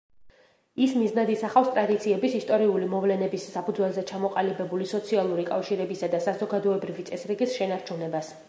ის მიზნად ისახავს ტრადიციების, ისტორიული მოვლენების საფუძველზე ჩამოყალიბებული სოციალური კავშირებისა და საზოგადოებრივი წესრიგის შენარჩუნებას.